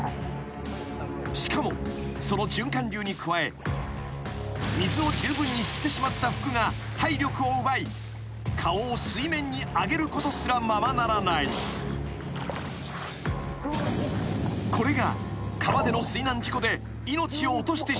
［しかもその循環流に加え水を十分に吸ってしまった服が体力を奪い顔を水面に上げることすらままならない］［これが川での水難事故で］